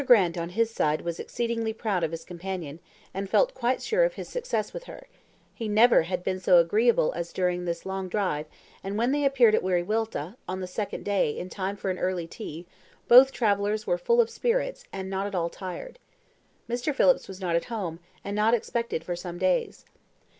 Grant on his side was exceedingly proud of his companion, and felt quite sure of his success with her; he never had been so agreeable as during this long drive, and when they appeared at Wiriwilta, on the second day, in time for an early tea, both travellers were full of spirits, and not at all tired. Mr. Phillips was not at home, and not expected for some days.